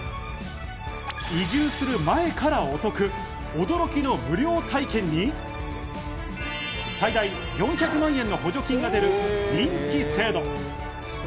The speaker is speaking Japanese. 移住する前からお得、驚きの無料体験に、最大４００万円の補助金が出る、人気制度。